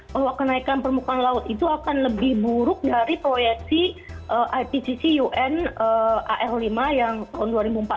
bahwa kenaikan permukaan laut itu akan lebih buruk dari proyeksi ipcc un ar lima yang tahun dua ribu empat belas